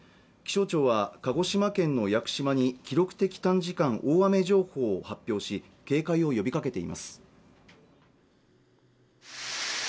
気象庁は鹿児島県の屋久島に記録的短時間大雨情報を発表し警戒を呼びかけています